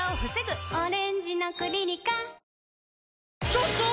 ちょっとー！